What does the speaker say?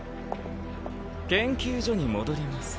研究所に戻ります。